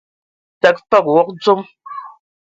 Təgə fəg wog dzom.